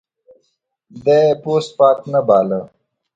دی پوست پاک نه باله.